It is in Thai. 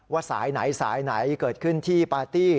สายไหนสายไหนเกิดขึ้นที่ปาร์ตี้